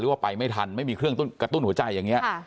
ว่าไปไม่ทันไม่มีเครื่องกระตุ้นหัวใจอย่างนี้